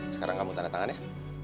sekarang kamu tanda tangan ya